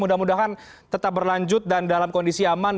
mudah mudahan tetap berlanjut dan dalam kondisi aman